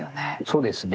そうですね。